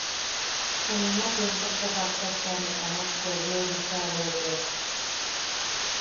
Junama tiempopo jaksa cheʼa ne omot, puepplou bicha weepeʼean.